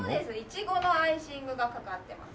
イチゴのアイシングがかかってます。